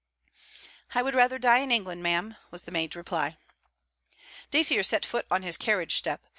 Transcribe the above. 'I would rather die in England, ma'am,' was the maid's reply. Dacier set foot on his carriage step.